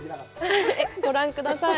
ご覧ください。